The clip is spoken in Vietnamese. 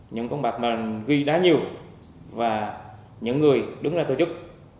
những con bạc mà ghi đá nhiều và những người đứng ra tư chức